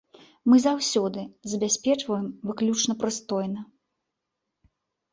Мы заўсёды забяспечваем выключна прыстойна.